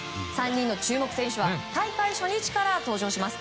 ３人の注目選手は大会初日から登場します。